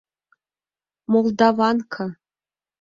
Молдаванка...